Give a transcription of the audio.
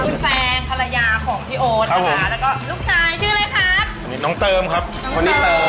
คุณแฟนภรรยาของพี่โอ๊ดแล้วก็ลูกชายชื่ออะไรครับ